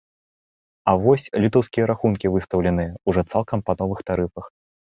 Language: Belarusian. А вось лютаўскія рахункі выстаўленыя ўжо цалкам па новых тарыфах.